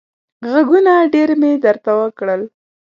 غږونه ډېر مې درته وکړل.